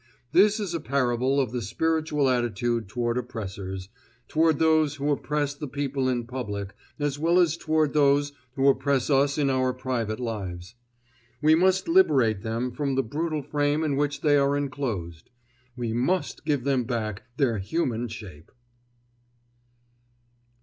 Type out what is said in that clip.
This is a parable of the spiritual attitude toward oppressors, toward those who oppress the people in public, as well as toward those who oppress us in our private lives. We must liberate them from the brutal frame in which they are inclosed; we must give them back their human shape!